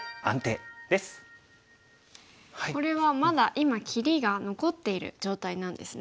これはまだ今切りが残っている状態なんですね。